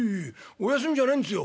お休みじゃないんですよ。